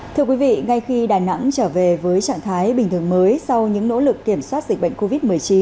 thưa quý vị ngay khi đà nẵng trở về với trạng thái bình thường mới sau những nỗ lực kiểm soát dịch bệnh covid một mươi chín